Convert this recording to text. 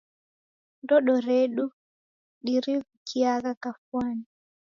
Ndodo redu dirivikiagha kafwane.